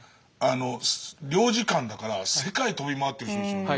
領事館だから世界飛び回ってる人ですよね。